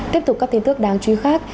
tiếp tục các tin tức đáng chú ý khác